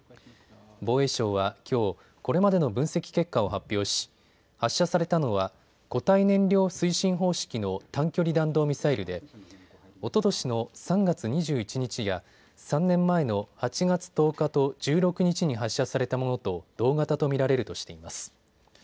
防衛省はきょう、これまでの分析結果を発表し発射されたのは固体燃料推進方式の短距離弾道ミサイルでおととしの３月２１日や３年前の８月１０日と１６日に発射されたものと同型と見られるとしています。